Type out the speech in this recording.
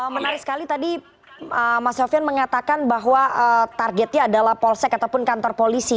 menarik sekali tadi mas sofian mengatakan bahwa targetnya adalah polsek ataupun kantor polisi